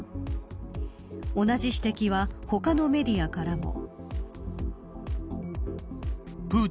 同じ指摘は他のメディアからも。